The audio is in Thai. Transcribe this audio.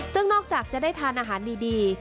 ซึ่งนอกจากจะได้ทานอาหารดี